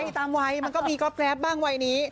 ตามไวมันก็มีก็แบบบ้างไวนี้